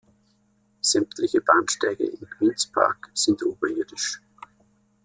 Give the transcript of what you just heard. Sämtliche Bahnsteige in Queen’s Park sind oberirdisch.